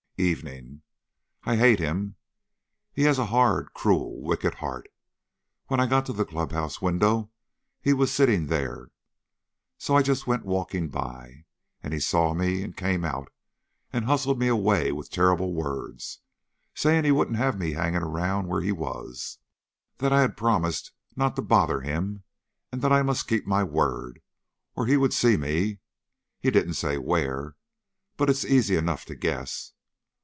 "EVENING. I hate him. He has a hard, cruel, wicked heart. When I got to the club house window he was sitting there, so I just went walking by, and he saw me and came out and hustled me away with terrible words, saying he wouldn't have me hanging round where he was; that I had promised not to bother him, and that I must keep my word, or he would see me he didn't say where, but it's easy enough to guess.